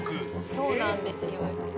そうなんですよ。